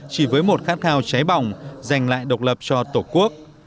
chỉ với một khát khao cháy bỏng dành lại độc lập cho tổ quốc